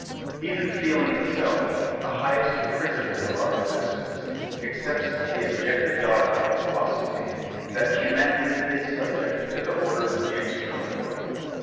Even Feeling itself, the highest principle of our existence, accepts the objective dogma of Philosophy, that Humanity is subject to the order of the external world.